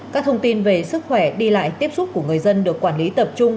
các thông tin về sức khỏe đi lại tiếp xúc của người dân được quản lý tập trung